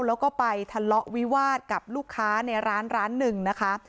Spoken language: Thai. แล้วก็ไปทะเลาะวิวาสกับลูกค้าในร้านร้านหนึ่งนะคะ